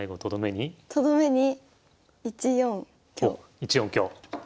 １四香。